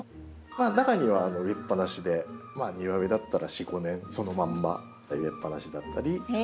中には植えっぱなしで庭植えだったら４５年そのまんま植えっぱなしだったりする花がありますので。